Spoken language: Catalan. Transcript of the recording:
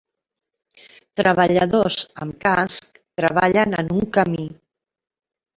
Treballadors amb casc treballen en un camí.